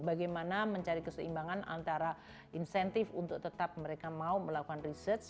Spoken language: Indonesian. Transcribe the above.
bagaimana mencari keseimbangan antara insentif untuk tetap mereka mau melakukan research